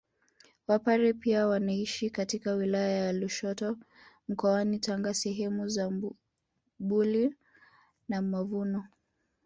Wapare pia wanaishi katika wilaya ya Lushoto mkoani Tanga sehemu za Bumbuli na Mavumo